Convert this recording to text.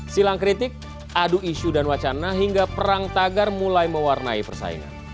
silang kritik adu isu dan wacana hingga perang tagar mulai mewarnai persaingan